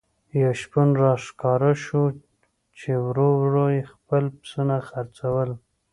یو شپون را ښکاره شو چې ورو ورو یې خپل پسونه څرول.